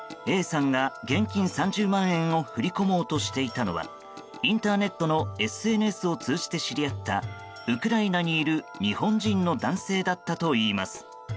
Ａさんが現金３０万円を振り込もうとしていたのはインターネットのＳＮＳを通じて知り合ったウクライナにいる日本人の男性だったといいます。